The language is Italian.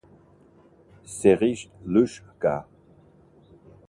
Serhij Ljul'ka